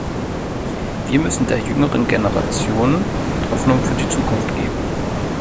Wir müssen der jüngeren Generation Hoffnung für die Zukunft geben.